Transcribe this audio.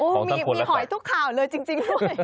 มีหอยทุกข่าวเลยจริงด้วย